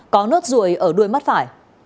có nốt ruồi ở đuôi mắt phải